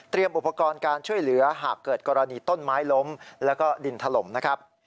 อุปกรณ์การช่วยเหลือหากเกิดกรณีต้นไม้ล้มแล้วก็ดินถล่มนะครับ